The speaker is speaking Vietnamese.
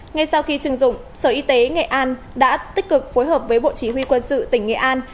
ngay sau khi chừng dụng sở y tế nghệ an đã tích cực phối hợp với bộ chỉ huy quân sự tỉnh nghệ an